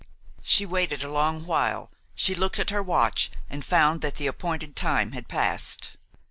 She waited a long while; she looked at her watch and found that the appointed time had passed.